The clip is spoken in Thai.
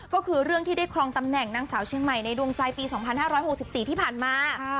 ก็คือเรื่องที่ได้ครองตำแหน่งนางสาวชื่อใหม่ในดวงใจปีสองพันห้าร้อยหกสิบสี่ที่ผ่านมา